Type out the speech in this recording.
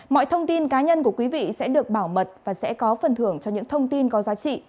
mọi thông tin cá nhân của quý vị sẽ được bảo mật và sẽ có phần thưởng cho những thông tin có giá trị